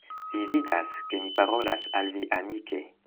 Vi vidas, ke mi parolas al vi amike.